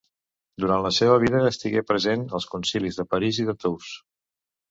Durant la seva vida, estigué present als Concilis de París i de Tours.